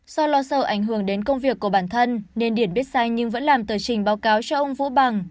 do lò sâu ảnh hưởng đến công việc của bản thân nên điền biết sai nhưng vẫn làm tờ trình báo cáo cho ông vũ bằng